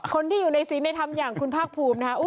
คนที่อยู่ในซีสในทำอย่างคุณพรรคภูมินะครับ